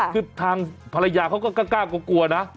คือทางภรรยาเขาก็กล้ากลัวนะ